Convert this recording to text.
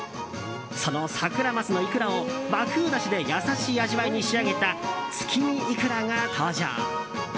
そのサクラマスのイクラを和風だしで優しい味わいに仕上げたつきみいくらが登場。